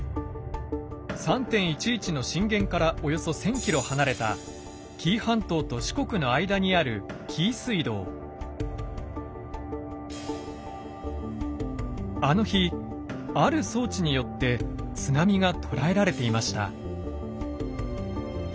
３．１１の震源からおよそ１，０００ｋｍ離れた紀伊半島と四国の間にあるあの日ある装置によって津波が捉えられていました。